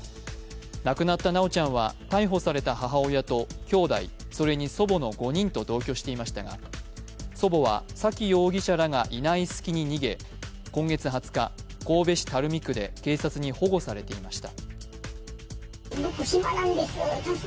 亡くなった修ちゃんは逮捕された母親ときょうだい、それに祖母の５人と同居していましたが祖母は沙喜容疑者らがいない隙に逃げ今月２０日、神戸市垂水区で警察に保護されていました。